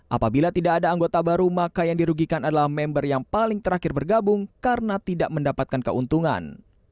apabila tidak ada anggota baru maka yang dirugikan adalah member yang paling terakhir bergabung karena tidak mendapatkan keuntungan